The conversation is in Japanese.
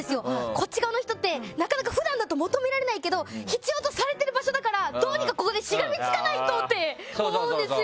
こっち側の人って普段だと求められないけど必要とされている場所だからどうにか、ここでしがみつかないと思うんですよ。